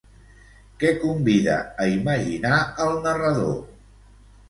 Què convida a imaginar, el narrador?